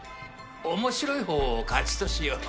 面白いほうを勝ちとしよう。